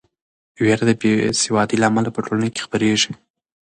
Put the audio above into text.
وېره د بې سوادۍ له امله په ټولنه کې خپریږي.